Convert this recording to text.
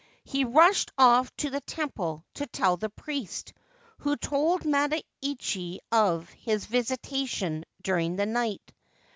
He rushed off to the temple to tell the priest, who told Matakichi of his visitation during the night.